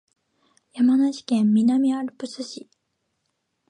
山梨県南アルプス市